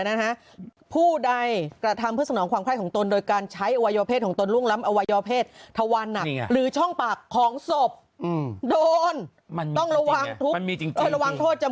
นี่เมื่อกี้เราถึงนุราเภสอวัยวะเพศทะวันหนักเลยนะฮะ